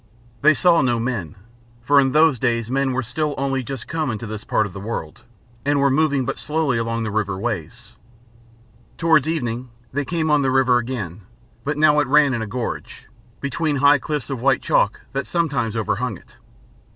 They saw no men, for in those days men were still only just come into this part of the world, and were moving but slowly along the river ways. Towards evening they came on the river again, but now it ran in a gorge, between high cliffs of white chalk that sometimes overhung it.